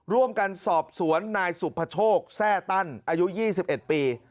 ร่วมกันสอบสวนนายสุภโชคแทร่ตั้นอายุ๒๑ปี